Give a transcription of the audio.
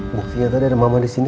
mungkin tadi ada mama disini